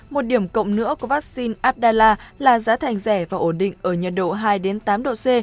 một điểm cộng nữa của vaccine abdalla là giá thành rẻ và ổn định ở nhiệt độ hai tám độ c